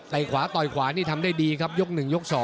ขวาต่อยขวานี่ทำได้ดีครับยก๑ยก๒